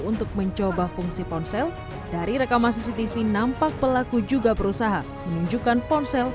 untuk mencoba fungsi ponsel dari rekaman cctv nampak pelaku juga berusaha menunjukkan ponsel